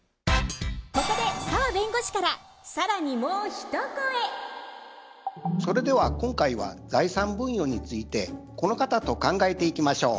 ここでそれでは今回は財産分与についてこの方と考えていきましょう。